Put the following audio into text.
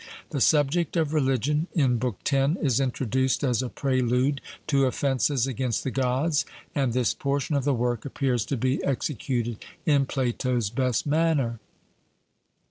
The subject of religion in Book X is introduced as a prelude to offences against the Gods, and this portion of the work appears to be executed in Plato's best manner.